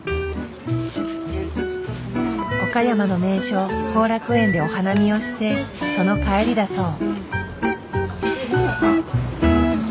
岡山の名所後楽園でお花見をしてその帰りだそう。